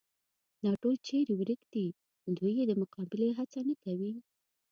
دا ټول چېرې ورک دي، دوی یې د مقابلې هڅه نه کوي.